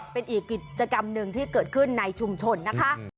เป็นอีกกิจกรรมหนึ่งที่เกิดขึ้นในชุมชนนะคะ